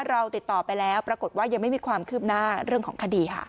เราติดต่อไปแล้วปรากฏว่ายังไม่มีความคืบหน้าเรื่องของคดีค่ะ